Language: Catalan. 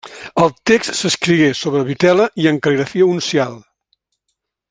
El text s'escrigué sobre vitel·la i en cal·ligrafia uncial.